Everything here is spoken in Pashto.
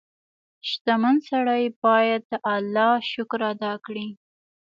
• شتمن سړی باید د الله شکر ادا کړي.